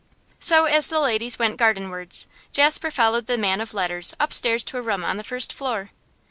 So, as the ladies went gardenwards, Jasper followed the man of letters upstairs to a room on the first floor.